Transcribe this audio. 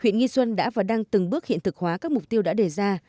huyện nghi xuân đã và đang từng bước hiện thực hóa các mục tiêu đã đề ra